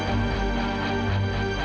ayah bangun ya